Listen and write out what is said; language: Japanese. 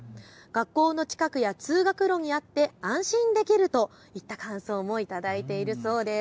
学校の近くや通学路にあって安心できるといった感想も頂いているそうです。